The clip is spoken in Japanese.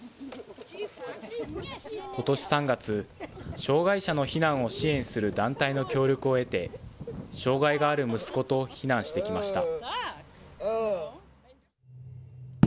ことし３月、障害者の避難を支援する団体の協力を得て、障害がある息子と避難してきました。